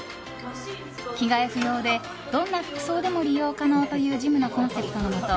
着替え不要でどんな服装でも利用可能というジムのコンセプトのもと